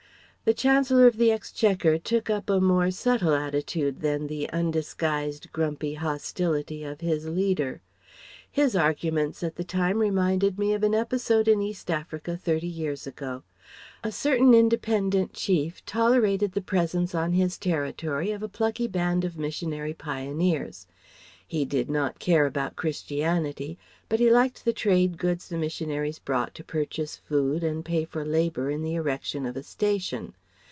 The Chancellor of the Exchequer took up a more subtle attitude than the undisguised, grumpy hostility of his leader. His arguments at the time reminded me of an episode in East Africa thirty years ago. A certain independent Chief tolerated the presence on his territory of a plucky band of missionary pioneers. He did not care about Christianity but he liked the trade goods the missionaries brought to purchase food and pay for labour in the erection of a station.